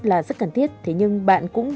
là rất cần thiết thế nhưng bạn cũng